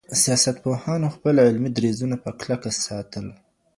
سياستپوهانو خپل علمي دريځونه په کلکه ساتل.